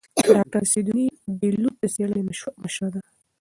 ډاکتره سیدوني بېلوت د څېړنې مشره ده.